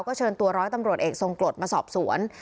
เชิญตัวร้อยตำรวจเอกทรงกรดมาสอบสวน